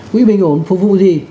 quỹ bình ổn phục vụ gì